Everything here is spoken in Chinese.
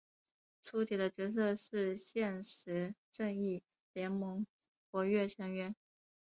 粗体的角色是现时正义联盟活跃成员。